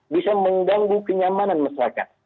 bisa mengganggu kenyamanan masyarakat